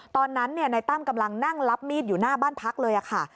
ตอนนั้นนายตั้มกำลังนั่งรับมีดอยู่หน้าบ้านพักเลยค่ะ